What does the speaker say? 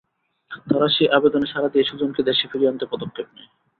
তারা সেই আবেদনে সাড়া দিয়ে সুজনকে দেশে ফিরিয়ে আনতে পদক্ষেপ নেয়।